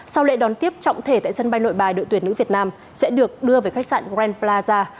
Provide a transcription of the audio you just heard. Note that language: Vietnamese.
sau lễ đón tiếp trọng thể tại sân bay nội bài đội tuyển nữ việt nam sẽ được đưa về khách sạn green plaza